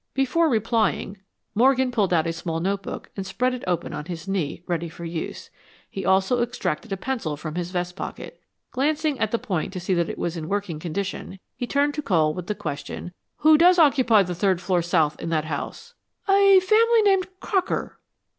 Before replying, Morgan pulled out a small notebook and spread it open on his knee, ready for use. He also extracted a pencil from his vest pocket. Glancing at the point to see that it was in working condition, he turned to Cole with the question, "Who does occupy the third floor south in that house?" "A family named Crocker."